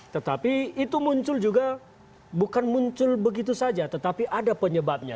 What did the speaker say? tetapi itu muncul juga bukan muncul begitu saja tetapi ada penyebabnya